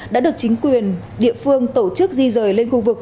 đã được chính quyền địa phương tổ chức di rời lên khu vực